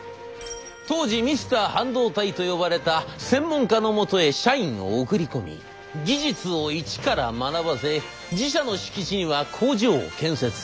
当時「ミスター半導体」と呼ばれた専門家のもとへ社員を送り込み技術を一から学ばせ自社の敷地には工場を建設。